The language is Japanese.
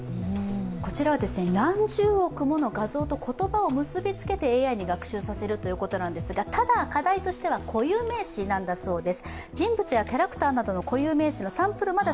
こちらは何十億もの画像と言葉を結びつけてＡＩに学習させるということなんですが、課題としては固有名詞なんだそうです。